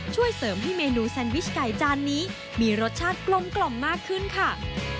ช่วยเสริมให้เมนูแซนวิชไก่จานนี้มีรสชาติกลมมากขึ้นค่ะ